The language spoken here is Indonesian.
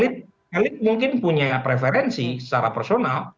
siapapun tahun elit mungkin punya preferensi secara personal